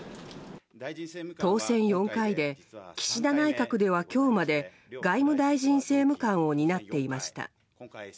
当選４回で岸田内閣では今日まで外務大臣政務官を担っていました。